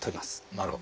なるほど。